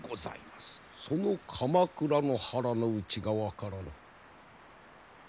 その鎌倉の腹の内が分からぬ。